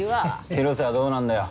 広瀬はどうなんだよ？